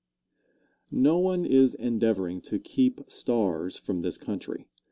Answer. No one is endeavoring to keep stars from this country.